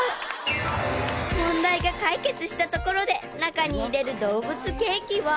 ［問題が解決したところで中に入れる動物ケーキは］